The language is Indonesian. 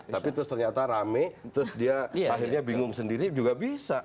tapi terus ternyata rame terus dia akhirnya bingung sendiri juga bisa